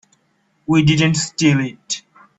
We didn't steal it.